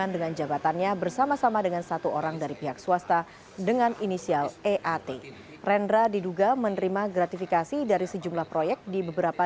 dari sejumlah proyek di beberapa